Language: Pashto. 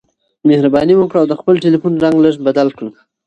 مهرباني وکړه او د خپل ټیلیفون زنګ لږ بدل کړه.